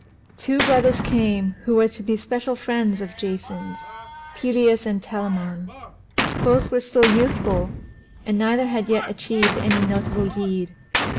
Two brothers came who were to be special friends of Jason's Peleus and Telamon. Both were still youthful and neither had yet achieved any notable deed.